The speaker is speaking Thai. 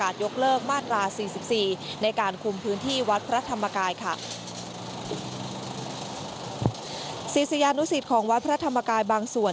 ศิษยานุสิตของวัดพระธรรมกายบางส่วน